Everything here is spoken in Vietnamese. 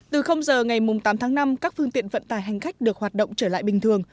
từ giờ ngày tám tháng năm các phương tiện vận tải hành khách được hoạt động trở lại bình thường